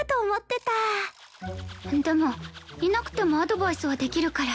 でもいなくてもアドバイスはできるから。